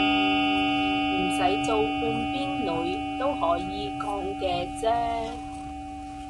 唔使做半邊女都可以講嘅啫